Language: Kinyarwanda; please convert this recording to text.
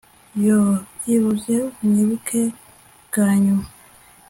yoo! byibuze unyibuke bwa nyuma